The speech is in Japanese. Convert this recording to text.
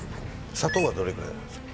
砂糖はどれぐらいなんですか